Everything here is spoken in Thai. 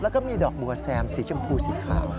แล้วก็มีดอกบัวแซมสีชมพูสีขาว